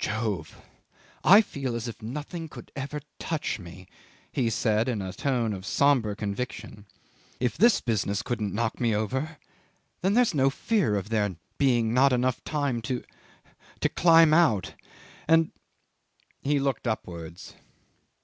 '"Jove! I feel as if nothing could ever touch me," he said in a tone of sombre conviction. "If this business couldn't knock me over, then there's no fear of there being not enough time to climb out, and ..." He looked upwards.